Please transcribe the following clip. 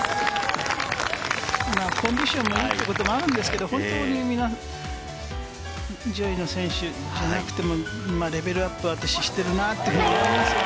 コンディションもいいということもあるんですけれど、本当にみんな上位の選手じゃなくてもレベルアップをしてるなって思います。